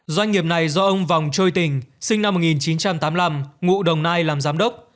doanh nghiệp này do ông vòng trôi tình sinh năm một nghìn chín trăm tám mươi năm ngụ đồng nai làm giám đốc